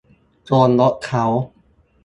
โจรยกเค้า